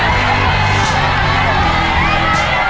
เวลาดีครับ